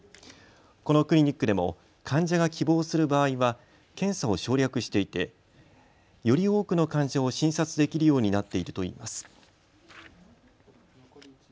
このクリニックでも患者が希望する場合は検査を省略していてより多くの患者を診察できるようになっているといいます。